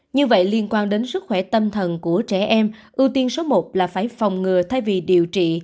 như vậy liên quan đến sức khỏe tâm thần của trẻ em ưu tiên số một là phải phòng ngừa thay vì điều trị